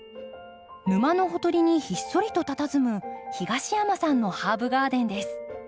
沼のほとりにひっそりとたたずむ東山さんのハーブガーデンです。